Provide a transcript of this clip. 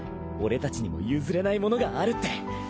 俺たちにも譲れないものがあるって。